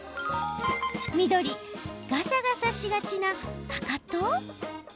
緑・ガサガサしがちなかかと？